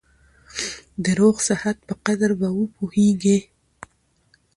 د روغ صحت په قدر به وپوهېږې !